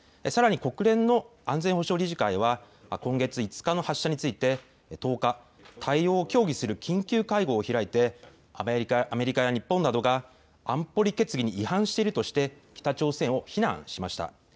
さらに国連の安全保障理事会は今月５日の発射について１０日、対応を協議する緊急会合を開いてアメリカや日本などが安保理決議に違反しているとして北朝鮮を非難しました。